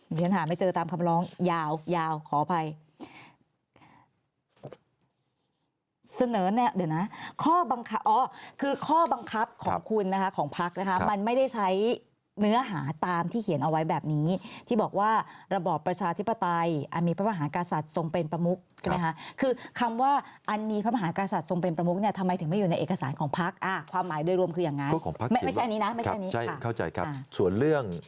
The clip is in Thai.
เห็นหาไม่เจอตามคำร้องยาวยาวขออภัยเสนอเนี่ยเดี๋ยวนะข้อบังคับอ๋อคือข้อบังคับของคุณนะคะของพักนะคะมันไม่ได้ใช้เนื้อหาตามที่เขียนเอาไว้แบบนี้ที่บอกว่าระบอบประชาธิปไตยอามีพระมหากษัตริย์ทรงเป็นประมุกใช่ไหมค่ะคือคำว่าอามีพระมหากษัตริย์ทรงเป็นประมุกเนี่ยทำไมถึงไม่อยู่ในเ